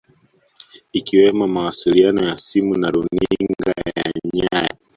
Ikiwemo mawasiliano ya simu na runinga ya nyaya